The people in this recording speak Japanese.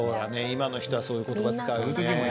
今の人はそういう言葉使うよね。